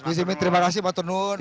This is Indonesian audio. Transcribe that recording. gus imin terima kasih pak tunun